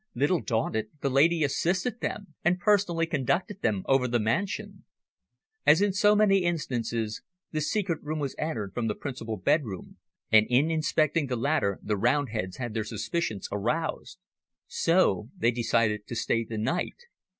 Little daunted, the lady assisted them and personally conducted them over the mansion. As in so many instances, the secret room was entered from the principal bedroom, and in inspecting the latter the Roundheads had their suspicions aroused. So they decided to stay the night.